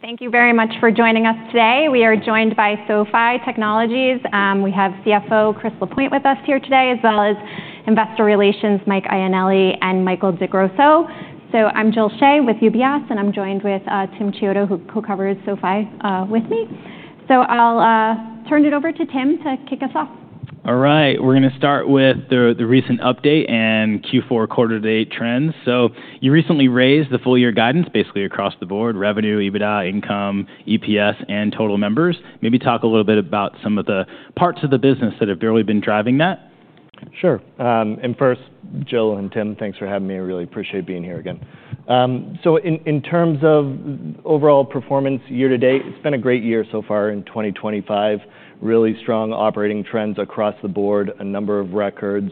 Thank you very much for joining us today. We are joined by SoFi Technologies. We have CFO Chris Lapointe with us here today, as well as Investor Relations Mike Ioanilli and Michael DeGrosso. I'm Jill Shea with UBS, and I'm joined with Tim Chiodo, who covers SoFi with me. I'll turn it over to Tim to kick us off. All right. We're going to start with the recent update and Q4 quarter-to-date trends. So you recently raised the full-year guidance, basically across the board: revenue, EBITDA, income, EPS, and total members. Maybe talk a little bit about some of the parts of the business that have really been driving that. Sure. And first, Jill and Tim, thanks for having me. I really appreciate being here again. So in terms of overall performance year to date, it's been a great year so far in 2025. Really strong operating trends across the board, a number of records.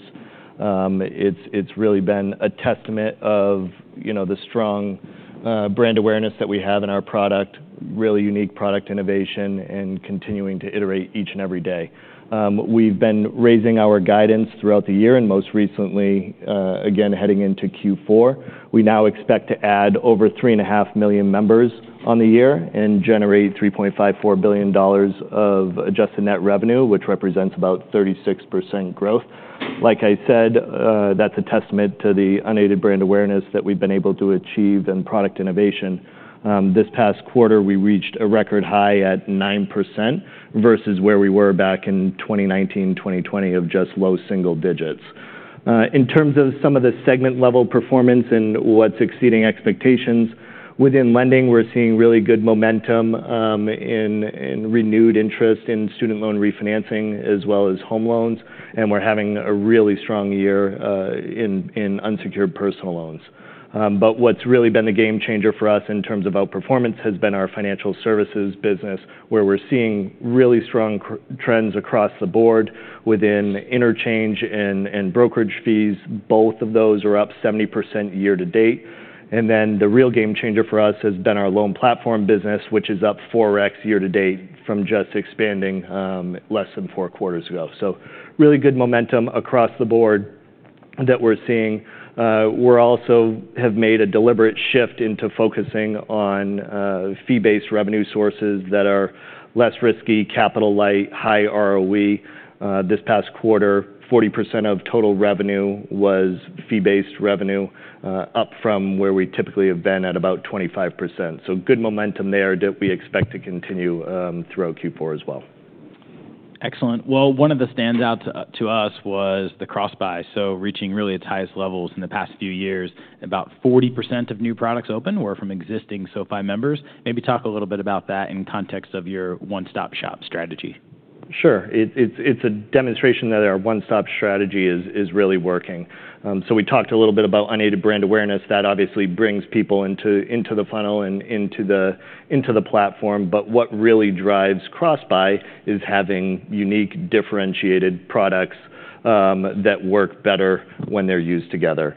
It's really been a testament of the strong brand awareness that we have in our product, really unique product innovation, and continuing to iterate each and every day. We've been raising our guidance throughout the year and most recently, again, heading into Q4. We now expect to add over 3.5 million members on the year and generate $3.54 billion of Adjusted Net Revenue, which represents about 36% growth. Like I said, that's a testament to the unaided brand awareness that we've been able to achieve and product innovation. This past quarter, we reached a record high at 9% versus where we were back in 2019, 2020 of just low single digits. In terms of some of the segment-level performance and what's exceeding expectations, within lending, we're seeing really good momentum and renewed interest in student loan refinancing, as well as home loans. And we're having a really strong year in unsecured personal loans. But what's really been the game changer for us in terms of our performance has been our financial services business, where we're seeing really strong trends across the board within interchange and brokerage fees. Both of those are up 70% year-to-date. And then the real game changer for us has been our loan platform business, which is up 4x year-to-date from just expanding less than four quarters ago. So really good momentum across the board that we're seeing. We also have made a deliberate shift into focusing on fee-based revenue sources that are less risky, capital light, high ROE. This past quarter, 40% of total revenue was fee-based revenue, up from where we typically have been at about 25%. So good momentum there that we expect to continue throughout Q4 as well. Excellent. Well, one of the standouts to us was the cross-buy, so reaching really its highest levels in the past few years. About 40% of new products open were from existing SoFi members. Maybe talk a little bit about that in context of your one-stop shop strategy. Sure. It's a demonstration that our one-stop strategy is really working. So we talked a little bit about unaided brand awareness. That obviously brings people into the funnel and into the platform. But what really drives cross-buy is having unique, differentiated products that work better when they're used together.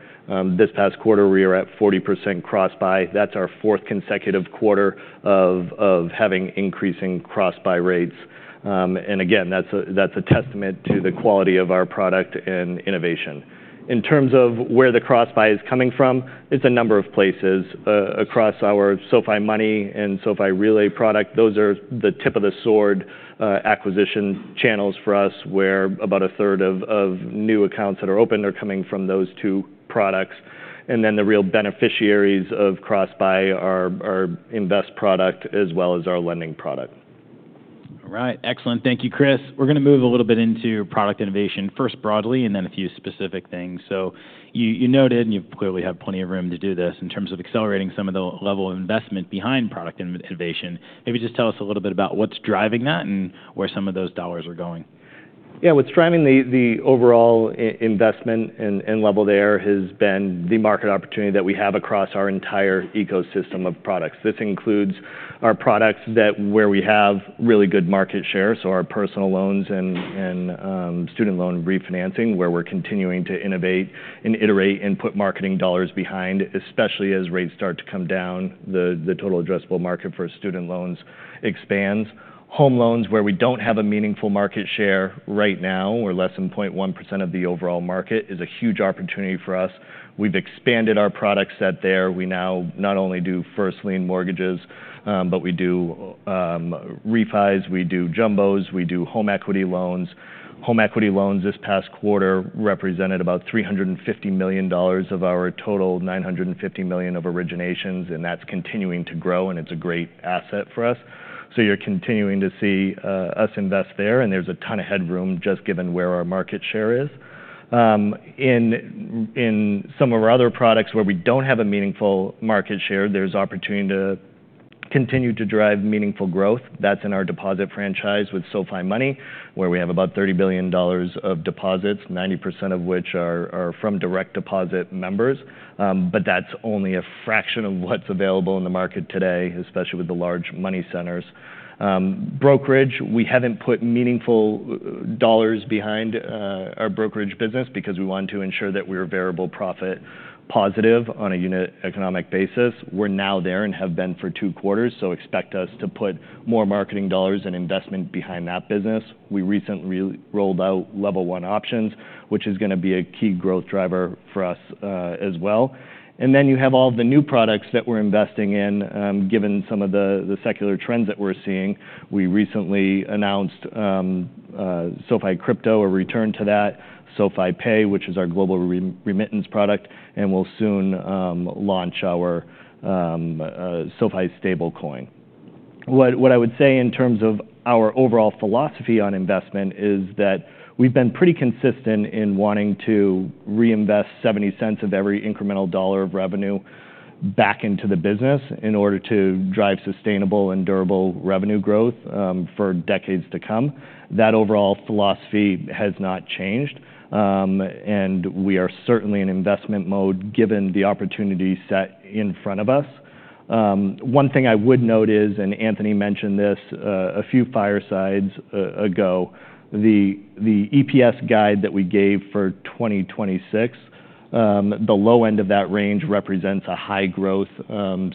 This past quarter, we were at 40% cross-buy. That's our fourth consecutive quarter of having increasing cross-buy rates. And again, that's a testament to the quality of our product and innovation. In terms of where the cross-buy is coming from, it's a number of places across our SoFi Money and SoFi Relay product. Those are the tip of the sword acquisition channels for us, where about a third of new accounts that are open are coming from those two products. And then the real beneficiaries of cross-buy are our invest product as well as our lending product. All right. Excellent. Thank you, Chris. We're going to move a little bit into product innovation first broadly and then a few specific things. So you noted, and you clearly have plenty of room to do this in terms of accelerating some of the level of investment behind product innovation. Maybe just tell us a little bit about what's driving that and where some of those dollars are going. Yeah. What's driving the overall investment and level there has been the market opportunity that we have across our entire ecosystem of products. This includes our products where we have really good market shares, so our personal loans and student loan refinancing, where we're continuing to innovate and iterate and put marketing dollars behind, especially as rates start to come down, the total addressable market for student loans expands. Home loans, where we don't have a meaningful market share right now, we're less than 0.1% of the overall market, is a huge opportunity for us. We've expanded our product set there. We now not only do first-lien mortgages, but we do refis, we do jumbos, we do home equity loans. Home equity loans this past quarter represented about $350 million of our total $950 million of originations, and that's continuing to grow, and it's a great asset for us. So you're continuing to see us invest there, and there's a ton of headroom just given where our market share is. In some of our other products where we don't have a meaningful market share, there's opportunity to continue to drive meaningful growth. That's in our deposit franchise with SoFi Money, where we have about $30 billion of deposits, 90% of which are from direct deposit members. But that's only a fraction of what's available in the market today, especially with the large money centers. Brokerage, we haven't put meaningful dollars behind our brokerage business because we wanted to ensure that we were variable profit positive on a unit economic basis. We're now there and have been for two quarters, so expect us to put more marketing dollars and investment behind that business. We recently rolled out Level 1 Options, which is going to be a key growth driver for us as well, and then you have all the new products that we're investing in, given some of the secular trends that we're seeing. We recently announced SoFi Crypto, a return to that, SoFi Pay, which is our global remittance product, and we'll soon launch our SoFi Stablecoin. What I would say in terms of our overall philosophy on investment is that we've been pretty consistent in wanting to reinvest 70 cents of every incremental dollar of revenue back into the business in order to drive sustainable and durable revenue growth for decades to come. That overall philosophy has not changed, and we are certainly in investment mode given the opportunity set in front of us. One thing I would note is, and Anthony mentioned this a few firesides ago, the EPS guide that we gave for 2026, the low end of that range represents a high growth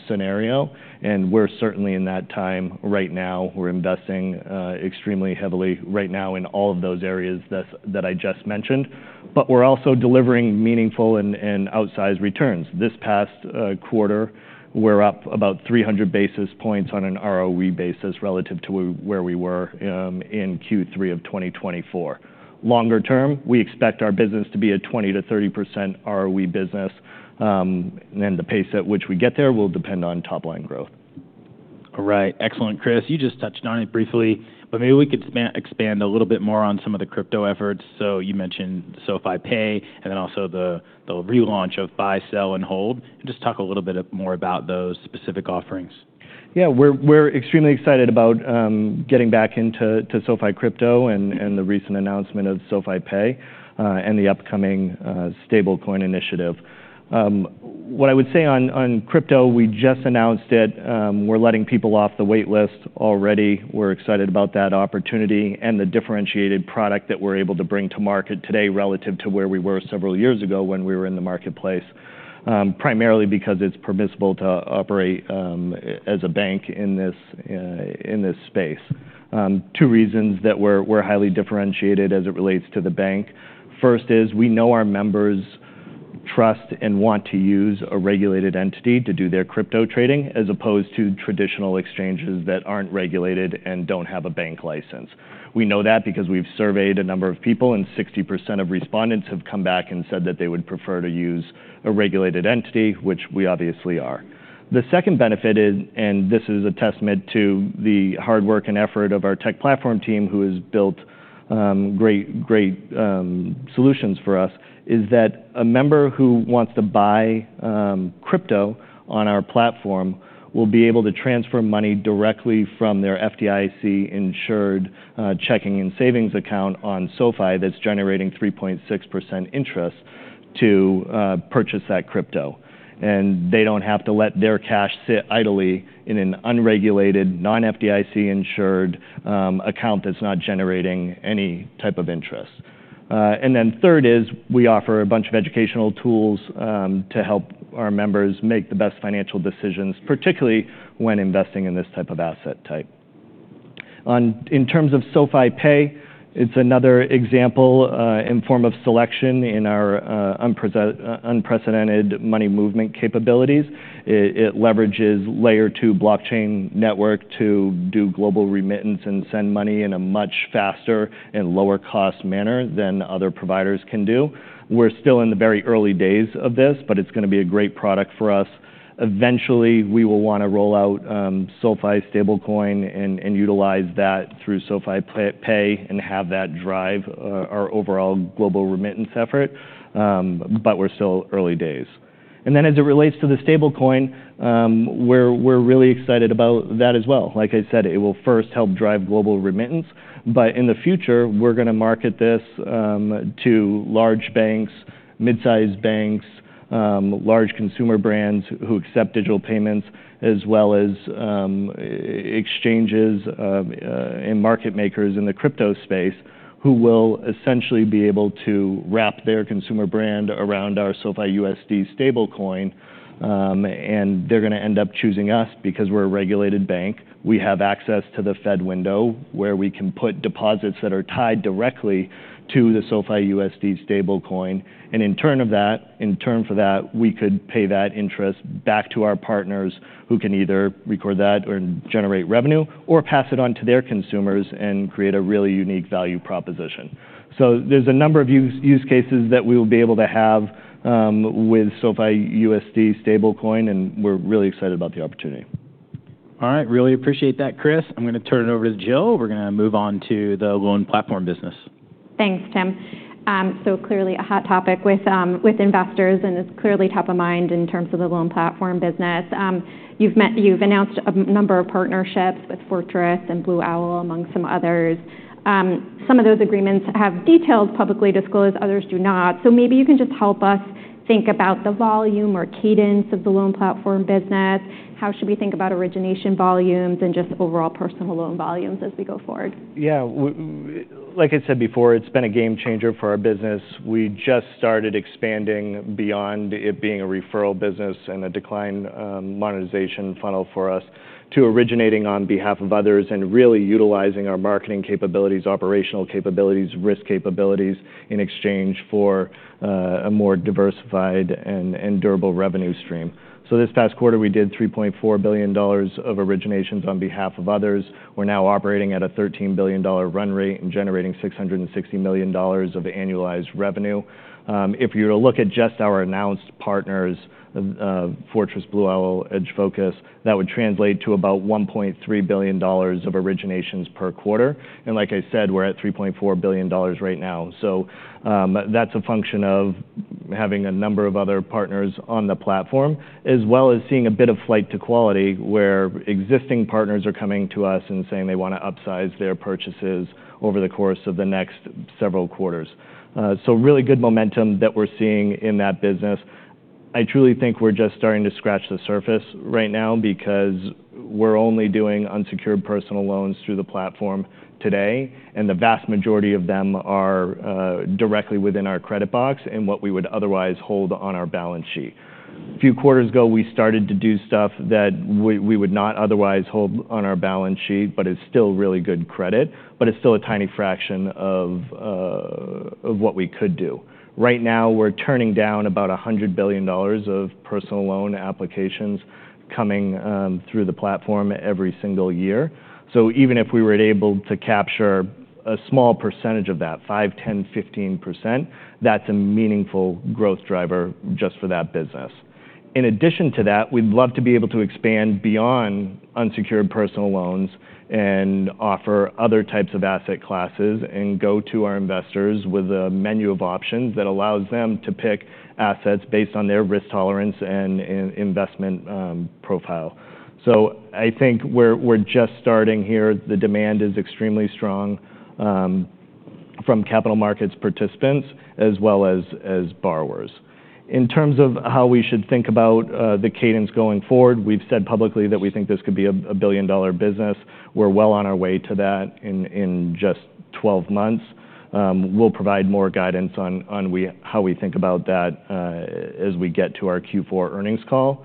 scenario, and we're certainly in that time right now. We're investing extremely heavily right now in all of those areas that I just mentioned, but we're also delivering meaningful and outsized returns. This past quarter, we're up about 300 basis points on an ROE basis relative to where we were in Q3 of 2024. Longer term, we expect our business to be a 20%-30% ROE business, and the pace at which we get there will depend on top-line growth. All right. Excellent, Chris. You just touched on it briefly, but maybe we could expand a little bit more on some of the crypto efforts. So you mentioned SoFi Pay and then also the relaunch of Buy, Sell, and Hold. Just talk a little bit more about those specific offerings. Yeah. We're extremely excited about getting back into SoFi Crypto and the recent announcement of SoFi Pay and the upcoming Stablecoin initiative. What I would say on crypto, we just announced it. We're letting people off the waitlist already. We're excited about that opportunity and the differentiated product that we're able to bring to market today relative to where we were several years ago when we were in the marketplace, primarily because it's permissible to operate as a bank in this space. Two reasons that we're highly differentiated as it relates to the bank. First is we know our members trust and want to use a regulated entity to do their crypto trading as opposed to traditional exchanges that aren't regulated and don't have a bank license. We know that because we've surveyed a number of people, and 60% of respondents have come back and said that they would prefer to use a regulated entity, which we obviously are. The second benefit, and this is a testament to the hard work and effort of our tech platform team, who has built great solutions for us, is that a member who wants to buy crypto on our platform will be able to transfer money directly from their FDIC-insured checking and savings account on SoFi that's generating 3.6% interest to purchase that crypto. And they don't have to let their cash sit idly in an unregulated, non-FDIC-insured account that's not generating any type of interest. And then third is we offer a bunch of educational tools to help our members make the best financial decisions, particularly when investing in this type of asset type. In terms of SoFi Pay, it's another example in form of selection in our unprecedented money movement capabilities. It leverages Layer 2 blockchain network to do global remittance and send money in a much faster and lower-cost manner than other providers can do. We're still in the very early days of this, but it's going to be a great product for us. Eventually, we will want to roll out SoFi Stablecoin and utilize that through SoFi Pay and have that drive our overall global remittance effort. But we're still early days, and then as it relates to the Stablecoin, we're really excited about that as well. Like I said, it will first help drive global remittance. But in the future, we're going to market this to large banks, mid-sized banks, large consumer brands who accept digital payments, as well as exchanges and market makers in the crypto space who will essentially be able to wrap their consumer brand around our SoFi USD Stablecoin. And they're going to end up choosing us because we're a regulated bank. We have access to the Fed window where we can put deposits that are tied directly to the SoFi USD Stablecoin. And in turn for that, we could pay that interest back to our partners who can either record that or generate revenue or pass it on to their consumers and create a really unique value proposition. So there's a number of use cases that we will be able to have with SoFi USD Stablecoin, and we're really excited about the opportunity. All right. Really appreciate that, Chris. I'm going to turn it over to Jill. We're going to move on to the loan platform business. Thanks, Tim. So clearly a hot topic with investors and is clearly top of mind in terms of the loan platform business. You've announced a number of partnerships with Fortress and Blue Owl, among some others. Some of those agreements have details publicly disclosed. Others do not. So maybe you can just help us think about the volume or cadence of the loan platform business. How should we think about origination volumes and just overall personal loan volumes as we go forward? Yeah. Like I said before, it's been a game changer for our business. We just started expanding beyond it being a referral business and a decline monetization funnel for us to originating on behalf of others and really utilizing our marketing capabilities, operational capabilities, risk capabilities in exchange for a more diversified and durable revenue stream. So this past quarter, we did $3.4 billion of originations on behalf of others. We're now operating at a $13 billion run rate and generating $660 million of annualized revenue. If you were to look at just our announced partners, Fortress, Blue Owl, Edge Focus, that would translate to about $1.3 billion of originations per quarter. And like I said, we're at $3.4 billion right now. So that's a function of having a number of other partners on the platform, as well as seeing a bit of flight to quality where existing partners are coming to us and saying they want to upsize their purchases over the course of the next several quarters. So really good momentum that we're seeing in that business. I truly think we're just starting to scratch the surface right now because we're only doing unsecured personal loans through the platform today, and the vast majority of them are directly within our credit box and what we would otherwise hold on our balance sheet. A few quarters ago, we started to do stuff that we would not otherwise hold on our balance sheet, but is still really good credit, but it's still a tiny fraction of what we could do. Right now, we're turning down about $100 billion of personal loan applications coming through the platform every single year. So even if we were able to capture a small percentage of that, 5%, 10%, 15%, that's a meaningful growth driver just for that business. In addition to that, we'd love to be able to expand beyond unsecured personal loans and offer other types of asset classes and go to our investors with a menu of options that allows them to pick assets based on their risk tolerance and investment profile. So I think we're just starting here. The demand is extremely strong from capital markets participants as well as borrowers. In terms of how we should think about the cadence going forward, we've said publicly that we think this could be a billion-dollar business. We're well on our way to that in just 12 months. We'll provide more guidance on how we think about that as we get to our Q4 earnings call.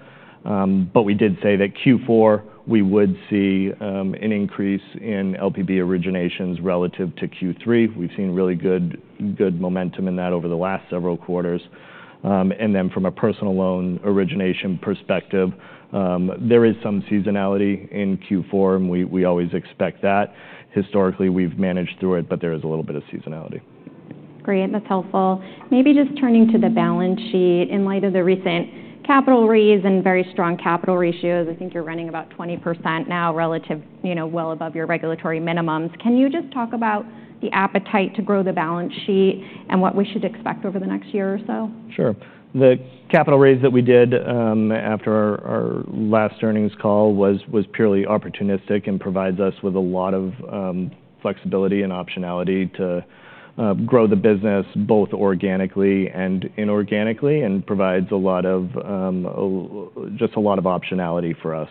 But we did say that Q4, we would see an increase in LPB originations relative to Q3. We've seen really good momentum in that over the last several quarters. And then from a personal loan origination perspective, there is some seasonality in Q4, and we always expect that. Historically, we've managed through it, but there is a little bit of seasonality. Great. That's helpful. Maybe just turning to the balance sheet. In light of the recent capital raise and very strong capital ratios, I think you're running about 20% now, well above your regulatory minimums. Can you just talk about the appetite to grow the balance sheet and what we should expect over the next year or so? Sure. The capital raise that we did after our last earnings call was purely opportunistic and provides us with a lot of flexibility and optionality to grow the business both organically and inorganically and provides just a lot of optionality for us.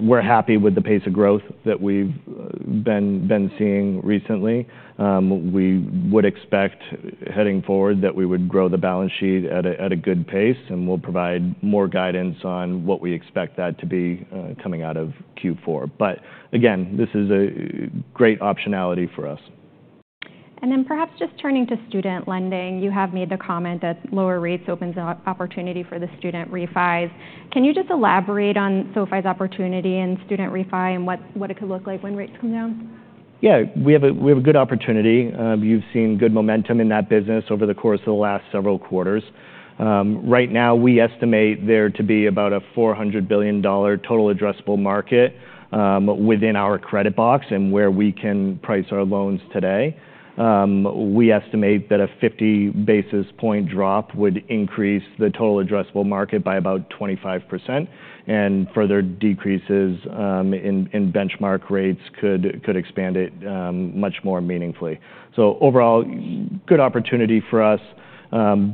We're happy with the pace of growth that we've been seeing recently. We would expect heading forward that we would grow the balance sheet at a good pace, and we'll provide more guidance on what we expect that to be coming out of Q4. But again, this is a great optionality for us. And then perhaps just turning to student lending, you have made the comment that lower rates open an opportunity for the student refis. Can you just elaborate on SoFi's opportunity in student refis and what it could look like when rates come down? Yeah. We have a good opportunity. You've seen good momentum in that business over the course of the last several quarters. Right now, we estimate there to be about a $400 billion total addressable market within our credit box and where we can price our loans today. We estimate that a 50 basis point drop would increase the total addressable market by about 25%, and further decreases in benchmark rates could expand it much more meaningfully. So overall, good opportunity for us.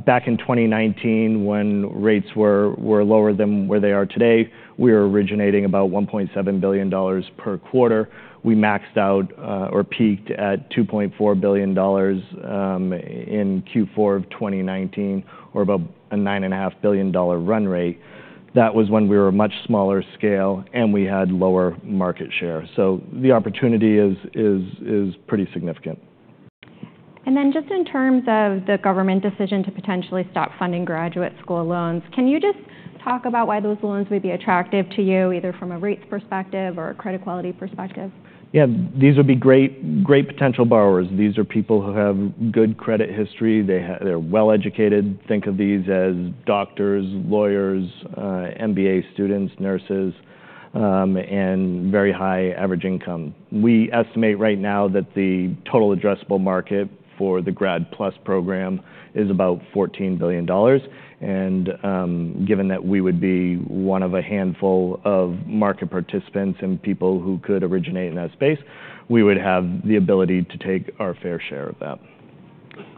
Back in 2019, when rates were lower than where they are today, we were originating about $1.7 billion per quarter. We maxed out or peaked at $2.4 billion in Q4 of 2019 or about a $9.5 billion run rate. That was when we were a much smaller scale and we had lower market share. So the opportunity is pretty significant. And then just in terms of the government decision to potentially stop funding graduate school loans, can you just talk about why those loans would be attractive to you, either from a rates perspective or a credit quality perspective? Yeah. These would be great potential borrowers. These are people who have good credit history. They're well-educated. Think of these as doctors, lawyers, MBA students, nurses, and very high average income. We estimate right now that the total addressable market for the GradPlus program is about $14 billion. And given that we would be one of a handful of market participants and people who could originate in that space, we would have the ability to take our fair share of that.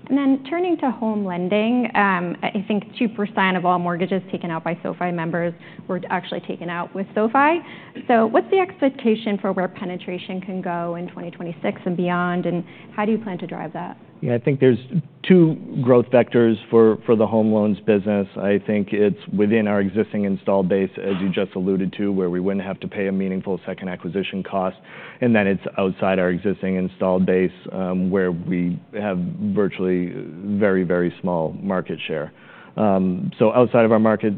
Then turning to home lending, I think 2% of all mortgages taken out by SoFi members were actually taken out with SoFi. What's the expectation for where penetration can go in 2026 and beyond, and how do you plan to drive that? Yeah. I think there's two growth vectors for the home loans business. I think it's within our existing installed base, as you just alluded to, where we wouldn't have to pay a meaningful customer acquisition cost. And then it's outside our existing installed base where we have virtually very, very small market share. So outside of our member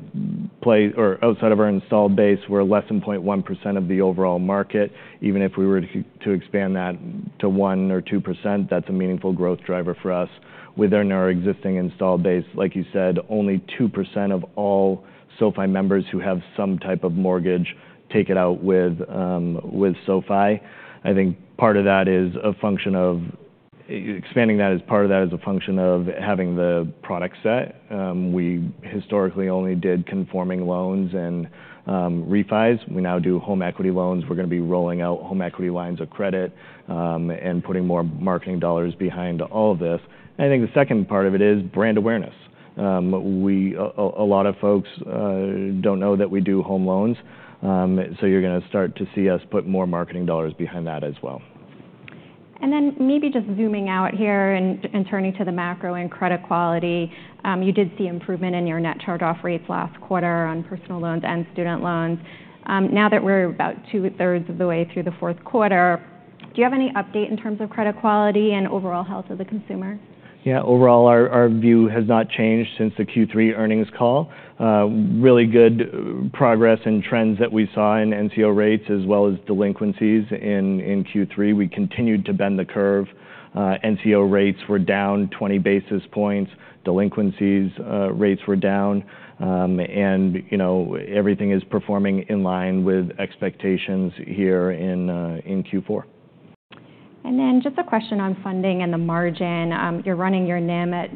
base or outside of our installed base, we're less than 0.1% of the overall market. Even if we were to expand that to 1% or 2%, that's a meaningful growth driver for us. Within our existing installed base, like you said, only 2% of all SoFi members who have some type of mortgage take it out with SoFi. I think part of that is a function of expanding that as part of that is a function of having the product set. We historically only did conforming loans and refis. We now do home equity loans. We're going to be rolling out home equity lines of credit and putting more marketing dollars behind all of this. And I think the second part of it is brand awareness. A lot of folks don't know that we do home loans. So you're going to start to see us put more marketing dollars behind that as well. Then maybe just zooming out here and turning to the macro and credit quality, you did see improvement in your net charge-off rates last quarter on personal loans and student loans. Now that we're about two-thirds of the way through the fourth quarter, do you have any update in terms of credit quality and overall health of the consumer? Yeah. Overall, our view has not changed since the Q3 earnings call. Really good progress and trends that we saw in NCO rates as well as delinquencies in Q3. We continued to bend the curve. NCO rates were down 20 basis points. Delinquency rates were down. And everything is performing in line with expectations here in Q4. Just a question on funding and the margin. You're running your NIM at,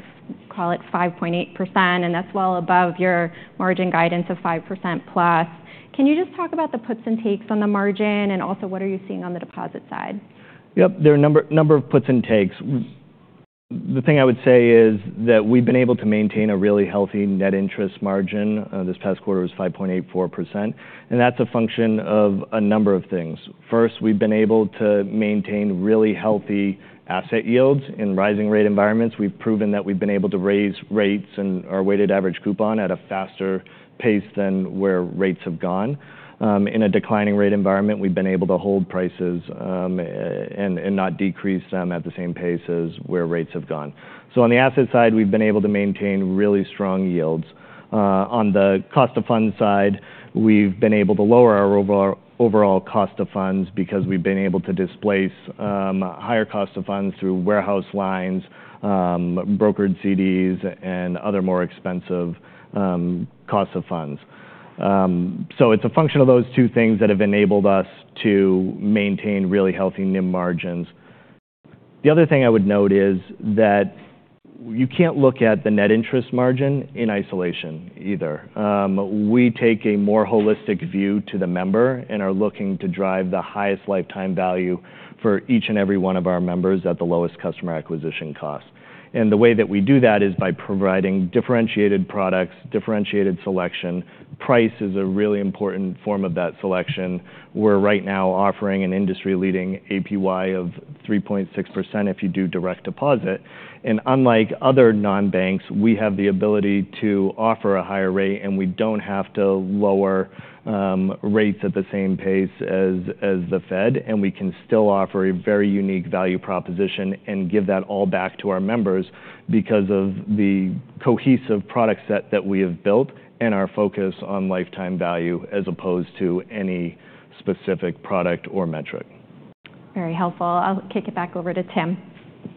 call it, 5.8%, and that's well above your margin guidance of 5% plus. Can you just talk about the puts and takes on the margin and also what are you seeing on the deposit side? Yep. There are a number of puts and takes. The thing I would say is that we've been able to maintain a really healthy net interest margin. This past quarter was 5.84%, and that's a function of a number of things. First, we've been able to maintain really healthy asset yields in rising rate environments. We've proven that we've been able to raise rates and our weighted average coupon at a faster pace than where rates have gone. In a declining rate environment, we've been able to hold prices and not decrease them at the same pace as where rates have gone, so on the asset side, we've been able to maintain really strong yields. On the cost of funds side, we've been able to lower our overall cost of funds because we've been able to displace higher cost of funds through warehouse lines, brokered CDs, and other more expensive cost of funds. So it's a function of those two things that have enabled us to maintain really healthy NIM margins. The other thing I would note is that you can't look at the net interest margin in isolation either. We take a more holistic view to the member and are looking to drive the highest lifetime value for each and every one of our members at the lowest customer acquisition cost. And the way that we do that is by providing differentiated products, differentiated selection. Price is a really important form of that selection. We're right now offering an industry-leading APY of 3.6% if you do direct deposit. Unlike other non-banks, we have the ability to offer a higher rate, and we don't have to lower rates at the same pace as the Fed. We can still offer a very unique value proposition and give that all back to our members because of the cohesive product set that we have built and our focus on lifetime value as opposed to any specific product or metric. Very helpful. I'll kick it back over to Tim.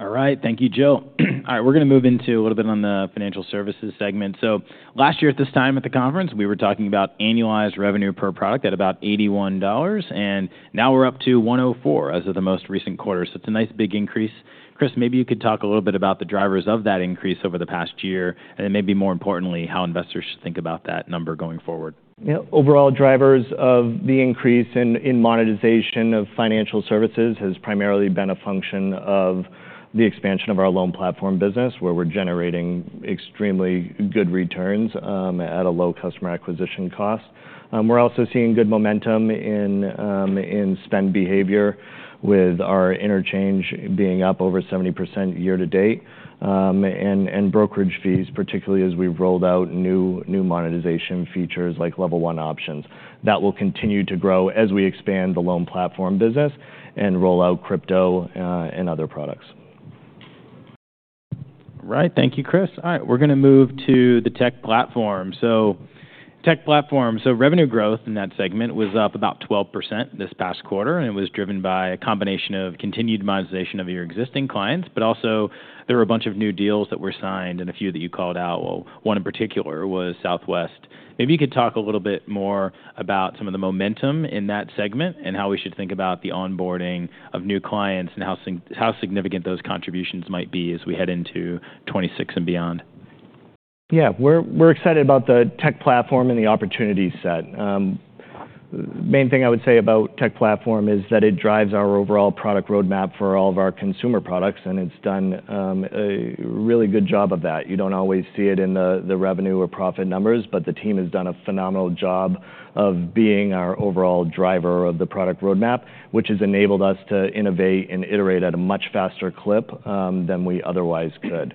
All right. Thank you, Joe. All right. We're going to move into a little bit on the financial services segment. So last year at this time at the conference, we were talking about annualized revenue per product at about $81. And now we're up to $104 as of the most recent quarter. So it's a nice big increase. Chris, maybe you could talk a little bit about the drivers of that increase over the past year, and then maybe more importantly, how investors should think about that number going forward. Yeah. Overall drivers of the increase in monetization of financial services has primarily been a function of the expansion of our Loan Platform Business, where we're generating extremely good returns at a low customer acquisition cost. We're also seeing good momentum in spend behavior, with our interchange being up over 70% year to date. And brokerage fees, particularly as we've rolled out new monetization features like Level 1 options. That will continue to grow as we expand the Loan Platform Business and roll out crypto and other products. All right. Thank you, Chris. All right. We're going to move to the tech platform. So tech platform, so revenue growth in that segment was up about 12% this past quarter, and it was driven by a combination of continued monetization of your existing clients, but also there were a bunch of new deals that were signed and a few that you called out. Well, one in particular was Southwest. Maybe you could talk a little bit more about some of the momentum in that segment and how we should think about the onboarding of new clients and how significant those contributions might be as we head into 2026 and beyond. Yeah. We're excited about the tech platform and the opportunity set. The main thing I would say about tech platform is that it drives our overall product roadmap for all of our consumer products, and it's done a really good job of that. You don't always see it in the revenue or profit numbers, but the team has done a phenomenal job of being our overall driver of the product roadmap, which has enabled us to innovate and iterate at a much faster clip than we otherwise could.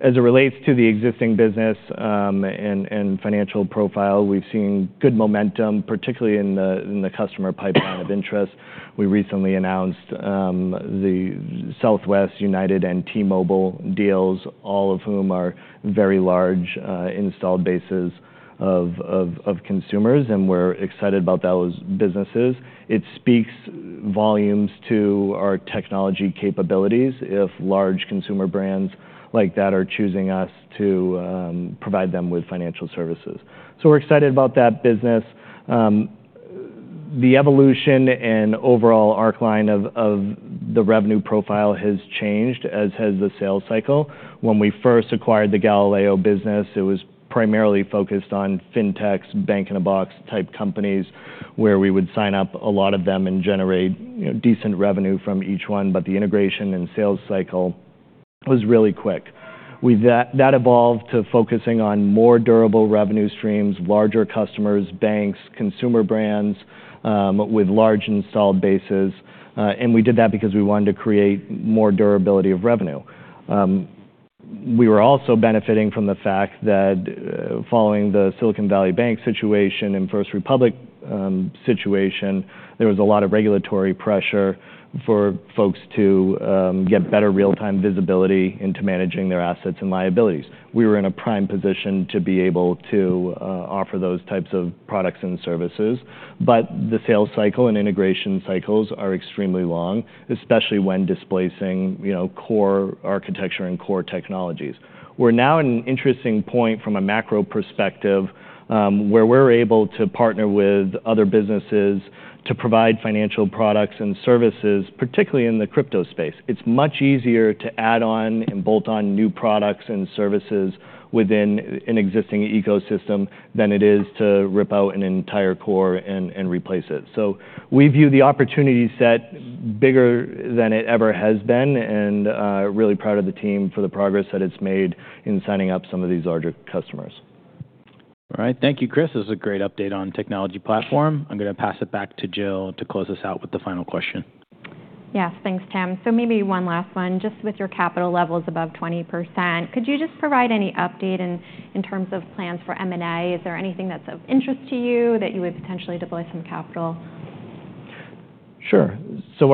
As it relates to the existing business and financial profile, we've seen good momentum, particularly in the customer pipeline of interest. We recently announced the Southwest, United, and T-Mobile deals, all of whom are very large installed bases of consumers, and we're excited about those businesses. It speaks volumes to our technology capabilities if large consumer brands like that are choosing us to provide them with financial services. So we're excited about that business. The evolution and overall arc line of the revenue profile has changed, as has the sales cycle. When we first acquired the Galileo business, it was primarily focused on fintechs, bank-in-a-box type companies, where we would sign up a lot of them and generate decent revenue from each one, but the integration and sales cycle was really quick. That evolved to focusing on more durable revenue streams, larger customers, banks, consumer brands with large installed bases, and we did that because we wanted to create more durability of revenue. We were also benefiting from the fact that following the Silicon Valley Bank situation and First Republic situation, there was a lot of regulatory pressure for folks to get better real-time visibility into managing their assets and liabilities. We were in a prime position to be able to offer those types of products and services. But the sales cycle and integration cycles are extremely long, especially when displacing core architecture and core technologies. We're now at an interesting point from a macro perspective where we're able to partner with other businesses to provide financial products and services, particularly in the crypto space. It's much easier to add on and bolt on new products and services within an existing ecosystem than it is to rip out an entire core and replace it. So we view the opportunity set bigger than it ever has been, and really proud of the team for the progress that it's made in signing up some of these larger customers. All right. Thank you, Chris. This is a great update on technology platform. I'm going to pass it back to Jill to close us out with the final question. Yes. Thanks, Tim. So maybe one last one. Just with your capital levels above 20%, could you just provide any update in terms of plans for M&A? Is there anything that's of interest to you that you would potentially deploy some capital? Sure. So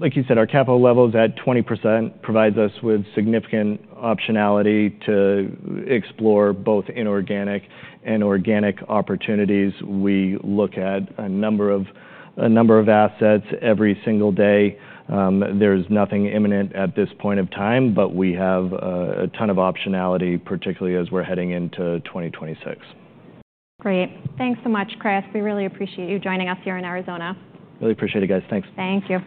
like you said, our capital levels at 20% provides us with significant optionality to explore both inorganic and organic opportunities. We look at a number of assets every single day. There's nothing imminent at this point of time, but we have a ton of optionality, particularly as we're heading into 2026. Great. Thanks so much, Chris. We really appreciate you joining us here in Arizona. Really appreciate it, guys. Thanks. Thank you.